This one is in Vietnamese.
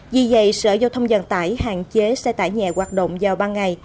vì vậy sở giao thông dần tải hạn chế xe tải nhẹ hoạt động vào ban ngày